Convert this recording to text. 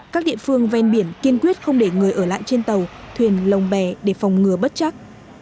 các địa phương ven biển kiên quyết không để người ở lại trên tàu thuyền lồng bè để phòng ngừa bất chắc